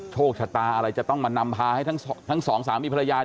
โชคชะตาอะไรจะต้องมานำพาให้ทั้งสองสามีภรรยา